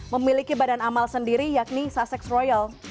memiliki badan amal sendiri yakni sussex royal